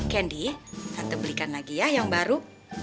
candy atau belikan lagi ya yang baru